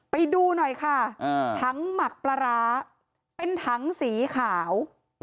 ไปดูหน่อยค่ะถังหมักปลาร้าเป็นถังสีขาว